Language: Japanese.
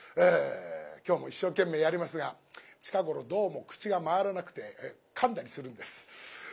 今日も一生懸命やりますが近頃どうも口が回らなくてかんだりするんです。